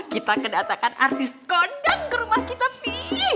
kita kedatakan artis kondang ke rumah kita fi